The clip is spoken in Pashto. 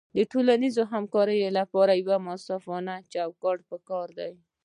د ټولنیزې همکارۍ لپاره یو منصفانه چوکاټ پکار دی.